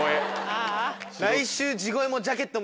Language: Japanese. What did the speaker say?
来週。